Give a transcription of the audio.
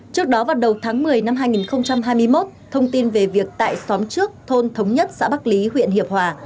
trước đó vào đầu tháng một mươi năm hai nghìn hai mươi một thông tin về việc tại xóm trước thôn thống nhất xã bắc lý huyện hiệp hòa